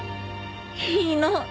いいの。